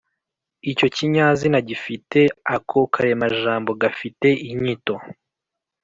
icyo kinyazina gifite. ako karemajambo gafite inyito